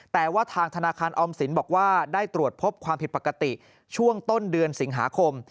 แต่ว่าทางธนาคารออมสินบอกว่าได้ตรวจพบความผิดปกติช่วงต้นเดือนสิงหาคม